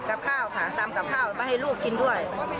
กับข้าวค่ะตำกับข้าวไปให้ลูกกินด้วย